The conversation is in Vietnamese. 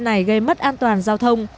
các loại xe này gây mất an toàn giao thông